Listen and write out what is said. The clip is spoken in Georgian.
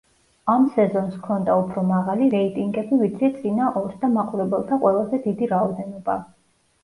ამ სეზონს ჰქონდა უფრო მაღალი რეიტინგები, ვიდრე წინა ორს და მაყურებელთა ყველაზე დიდი რაოდენობა.